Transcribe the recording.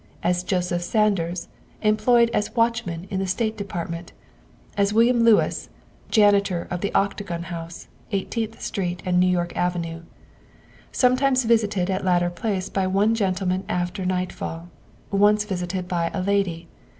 " As Joseph Sanders, employed as watchman in the State Department. " As William Lewis, janitor of the Octagon House, Eighteenth Street and New York Avenue. " Sometimes visited at latter place by one gentleman after nightfall; once visited by a lady.